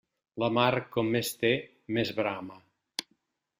La mar, com més té, més brama.